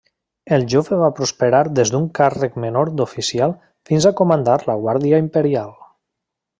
El jove va prosperar des d'un càrrec menor d'oficial fins a comandar la guàrdia imperial.